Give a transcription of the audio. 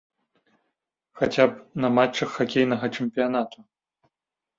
Хаця б на матчах хакейнага чэмпіянату.